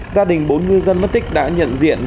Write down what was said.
gia đình bốn ngư dân mất tích đã nhận được thông tin